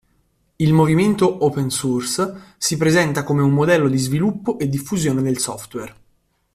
Il movimento Open Source si presenta come un modello di sviluppo e diffusione del software.